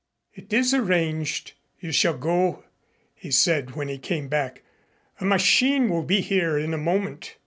"It is arranged. You shall go," he said when he came back. "A machine will be here in a moment."